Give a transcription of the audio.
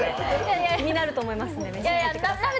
気になると思いますので、召し上がってください。